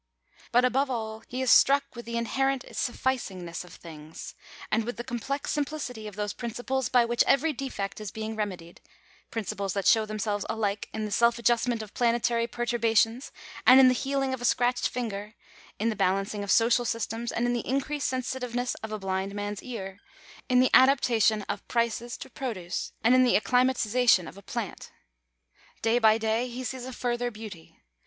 But, above all, he is struck with the inherent sufficing ness of things, and with the complex simplicity of those prin ciples by which every defect is being remedied — principles that show themselves alike in the self adjustment of planetary^ per turbations, and in the healing of a scratched finger — in the balancing of social systems, and in the increased sensitiveness of a blind man's ear — in the adaptation of prices to produce, and in the acclimatization of a plant. Day by day he sees a further beauty.